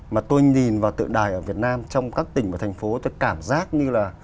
mà tôi nhìn vào tượng đài ở việt nam trong các tỉnh và thành phố tôi cảm giác như là